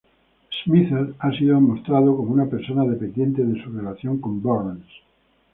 Smithers ha sido mostrado como una persona dependiente de su relación con Burns.